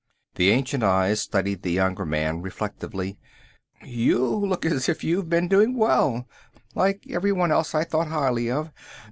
The ancient eyes studied the younger man reflectively. "You look as if you have been doing well. Like everyone else I thought highly of.